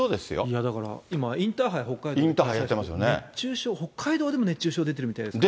いやだから、今、インターハイ、北海道やってますから、熱中症、北海道でも熱中症出てるみたいですね。